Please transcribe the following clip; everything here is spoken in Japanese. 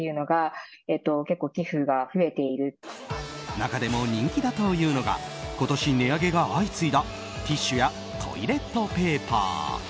中でも人気だというのが今年、値上げが相次いだティッシュやトイレットペーパー。